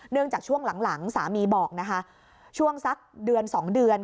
เนื่องจากช่วงหลังหลังสามีบอกนะคะช่วงสักเดือนสองเดือน